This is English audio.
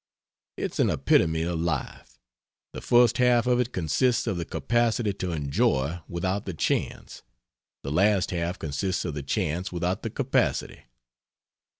It's an epitome of life. The first half of it consists of the capacity to enjoy without the chance; the last half consists of the chance without the capacity.